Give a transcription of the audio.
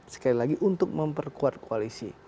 sekali lagi untuk memperkuat koalisi